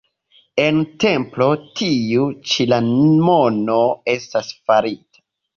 En templo tiu ĉi la mono estas farita.